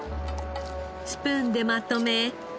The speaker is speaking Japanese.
スプーンでまとめ。